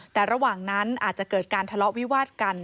แต่ระหว่างนั้นอาจจะเกิดการทะเลาะวิวาดกัน